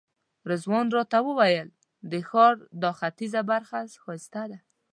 رضوان راته وویل د ښار دا ختیځه برخه ښایسته ده.